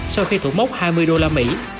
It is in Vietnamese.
sau khi thủ mốc hai mươi đô la mỹ